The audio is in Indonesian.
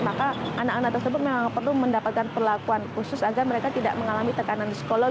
maka anak anak tersebut memang perlu mendapatkan perlakuan khusus agar mereka tidak mengalami tekanan di sekolah